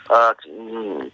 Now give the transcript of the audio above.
vâng thưa đại sứ